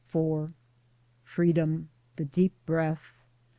IV Freedom ! the deep breath